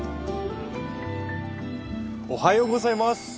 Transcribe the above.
おはようございます。